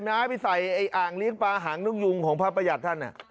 น้าไปใส่ไอ้อ่างเลี้ยงปลาหางนกยุงของพระประหยัดท่าน